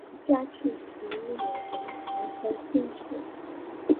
嘉靖十一年壬辰科进士。